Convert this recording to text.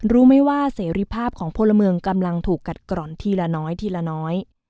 รู้ไหมว่าเสรีภาพของพลเมืองกำลังถูกกัดกร่อนทีละน้อยทีละน้อย